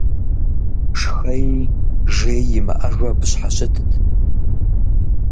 Шхэи жеи имыӀэжу абы щхьэщытт.